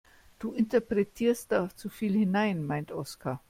Du interpretierst da zu viel hinein, meint Oskar.